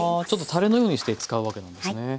ちょっとたれのようにして使うわけなんですね。